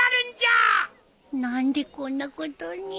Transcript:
何でこんなことに。